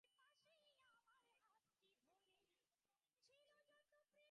Police সূত্র জানায়, Soheli bicycle চালিয়ে ছাতিয়ানতলা থেকে আরআরএফের বেজপাড়া কার্যালয়ে যাচ্ছিলেন।